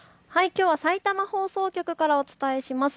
きょうはさいたま放送局からお伝えします。